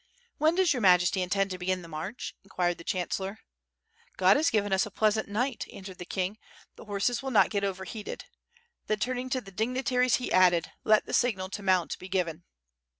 \Vhen does Your Majesty intend to begin the march?" in quired the diancellor. *'God has given us a pleasant night," answered the king, "the horses will not get overheated." Then turning to the dignitaries, he added, "let the signal to mount be given."